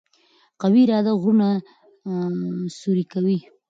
قوي اراده غرونه سوري کوي.